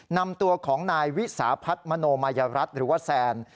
นำตัวของนายวิสาพัฒน์มโนมายรัฐหรือว่าแซน